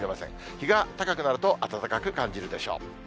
日が高くなると、暖かく感じるでしょう。